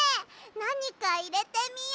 なにかいれてみよ。